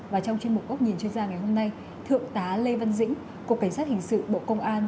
và trong chuyên mục góc nhìn chuyên gia ngày hôm nay thượng tá lê văn dĩnh cục cảnh sát hình sự bộ công an